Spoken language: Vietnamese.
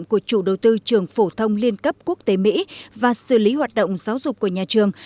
của chủ đầu tư trường phổ thông liên cấp quốc tế mỹ và xử lý hoạt động giáo dục của nhà trường